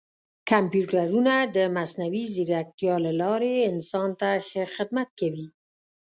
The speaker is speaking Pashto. کمپیوټرونه د مصنوعي ځیرکتیا له لارې انسان ته ښه خدمت کوي.